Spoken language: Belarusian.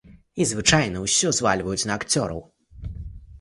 І звычайна ўсё звальваюць на акцёраў.